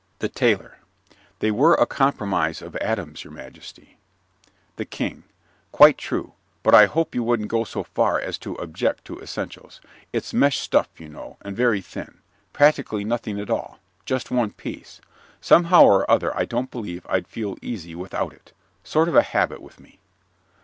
THE TAILOR They were a compromise of Adam's, your majesty. THE KING Quite true, but I hope you wouldn't go so far as to object to essentials. It's mesh stuff, you know, and very thin. Practically nothing at all. Just one piece. Somehow or other I don't believe I'd feel easy without it. Sort of a habit with me.